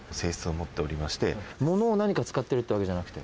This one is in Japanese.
物を何か使ってるってわけじゃなくて？